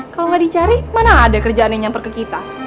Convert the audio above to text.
kalo gak dicari mana ada kerjaan yang nyamper ke kita